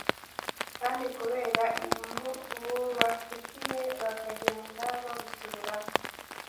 kandi kubera inyungu bubafitiye bakagenda babusubiramo.